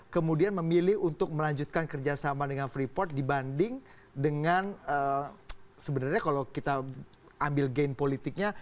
kemudian memilih untuk melanjutkan kerjasama dengan freeport dibanding dengan sebenarnya kalau kita ambil gain politiknya